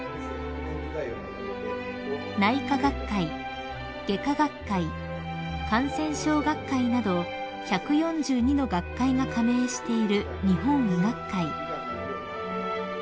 ［内科学会外科学会感染症学会など１４２の学会が加盟している日本医学会］